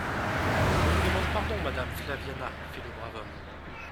Je vous demande pardon, madame Flaviana,» fit le brave homme.